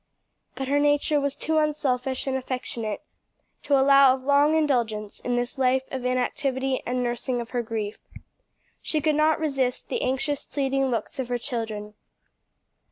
But her nature was too unselfish and affectionate to allow of long indulgence in this life of inactivity and nursing of her grief. She could not resist the anxious, pleading looks of her children.